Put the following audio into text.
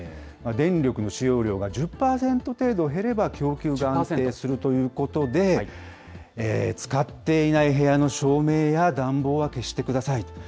電力の使用量が１０％程度減れば、供給が安定するということで、使っていない部屋の照明や暖房は消してください。